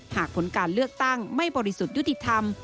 หากผลการเลือกตั้งไม่บริสุทธิ์ยุติธรรม